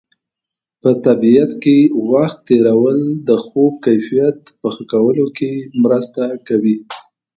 په طبیعت کې وخت تېرول د خوب کیفیت په ښه کولو کې مرسته کوي.